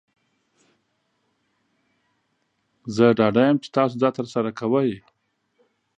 زه ډاډه یم چې تاسو دا ترسره کوئ.